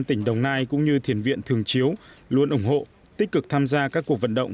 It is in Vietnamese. tỉnh đồng nai cũng như thiền viện thường chiếu luôn ủng hộ tích cực tham gia các cuộc vận động